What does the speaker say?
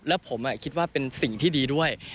แล้วผมคิดว่าเป็นสิ่งที่ดีด้วย